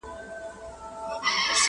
ورسره به وي د ګور په تاریکو کي،